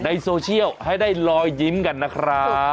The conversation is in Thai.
ในโซเชียลให้ได้ลอยยิ้มกันนะครับ